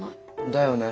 だよね。